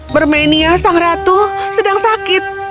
bermenia sang ratu sedang sakit